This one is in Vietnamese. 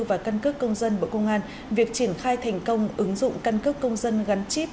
và căn cước công dân bộ công an việc triển khai thành công ứng dụng căn cước công dân gắn chip